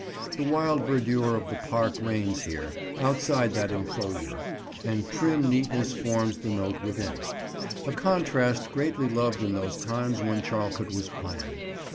The wild verdure of the park reigns here, outside that enclosure, and trim neatness forms the note within; a contrast greatly loved in those times when Charlecote was planned.